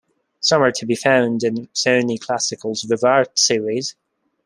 Some are to be found in Sony Classical's Vivarte series.